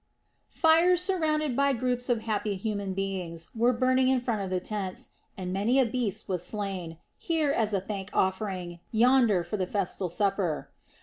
Fires surrounded by groups of happy human beings were burning in front of the tents, and many a beast was slain, here as a thank offering, yonder for the festal supper.